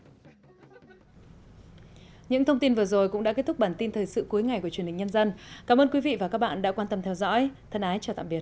những thông tin vừa rồi cũng đã kết thúc bản tin thời sự cuối ngày của truyền hình nhân dân cảm ơn quý vị và các bạn đã quan tâm theo dõi thân ái chào tạm biệt